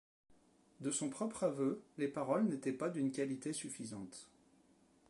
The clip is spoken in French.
De son propre aveu, les paroles n'étaient pas d'une qualité suffisante.